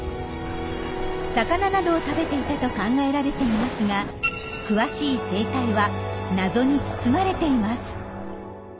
魚などを食べていたと考えられていますが詳しい生態は謎に包まれています。